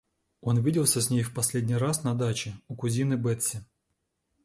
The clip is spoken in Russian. Он виделся с ней в последний раз на даче у кузины Бетси.